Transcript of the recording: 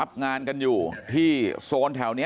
มันต้องการมาหาเรื่องมันจะมาแทงนะ